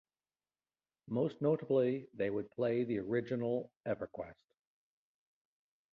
Most notably, they would play the original EverQuest.